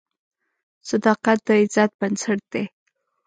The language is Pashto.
صداقت د عزت بنسټ دی.